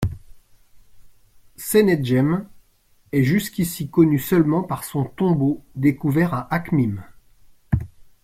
Sennedjem est jusqu'ici connu seulement par son tombeau découvert à Akhmim.